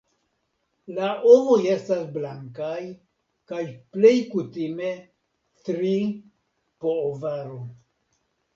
La ovoj estas blankaj kaj plej kutime tri po ovaro.